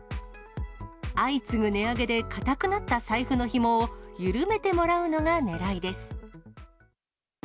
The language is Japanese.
相次ぐ値上げで固くなった財布のひもを緩めてもらうのがねらいです。